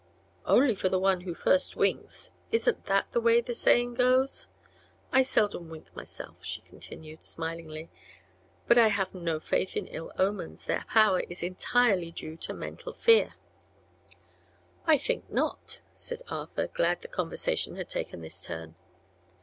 "Only for the one who first winks. Isn't that the way the saying goes? I seldom wink, myself," she continued, smilingly. "But I have no faith in ill omens. Their power is entirely due to mental fear." "I think not," said Arthur, glad the conversation had taken this turn.